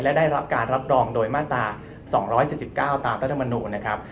และได้รับการรับรองโดยมาตรา๒๗๙ตามรัฐมนูลนะครับ